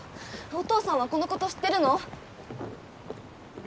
お父さんはこのこと知ってるの？